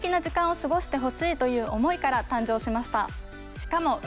しかも。